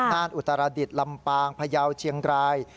น่านอุตรดิษฐ์ลำปางพยาวเชียงราย